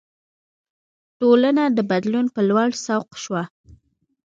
ټولنه د بدلون په لور سوق شوه.